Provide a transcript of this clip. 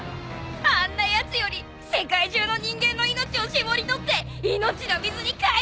あんなやつより世界中の人間の命をしぼり取って命の水に変えてやらぁ！